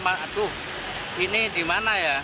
aduh ini di mana ya